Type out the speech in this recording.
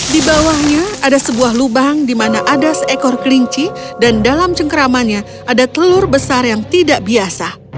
di bawahnya ada sebuah lubang di mana ada seekor kelinci dan dalam cengkeramannya ada telur besar yang tidak biasa